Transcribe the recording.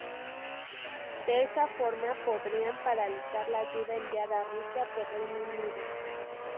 De esa forma, podrían paralizar la ayuda enviada a Rusia por Reino Unido.